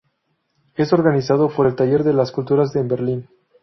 Es organizado por el Taller de las Culturas en Berlín.